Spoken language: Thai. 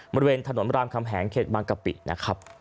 บริเวณถนนรามคำแหงเขตบางกะปินะครับ